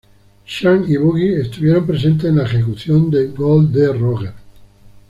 Shanks y Buggy estuvieron presentes en la ejecución de Gol D. Roger.